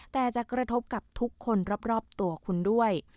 แต่จะกระทบกับทุกคนรอบตัวคุณด้วย